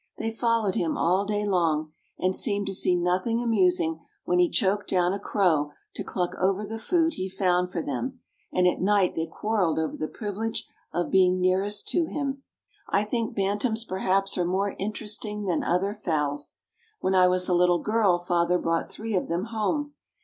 They followed him all day long, and seemed to see nothing amusing when he choked down a crow to cluck over the food he found for them, and at night they quarreled over the privilege of being nearest to him. I think bantams perhaps are more interesting than other fowls. When I was a little girl father brought three of them home.